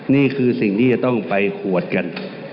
นี่คือสิ่งที่จะต้องไปขวดกัน